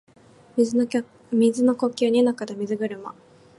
水の呼吸弐ノ型水車（にのかたみずぐるま）